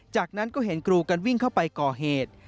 จากนั้นก็เห็นกรูกันวิ่งเข้าไปก่อเหตุ